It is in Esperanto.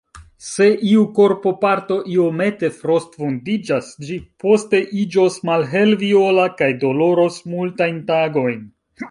Se iu korpoparto iomete frostvundiĝas, ĝi poste iĝos malhelviola kaj doloros multajn tagojn.